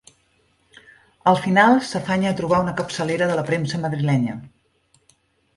Al final s'afanya a trobar una capçalera de la premsa madrilenya.